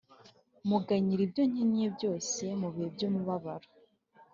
Muganyira ibyo nkennye byose mubihe by’umubabaro